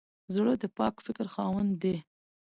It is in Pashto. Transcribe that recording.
زړه د پاک فکر خاوند دی.